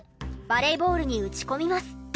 バレーボールに打ち込みます。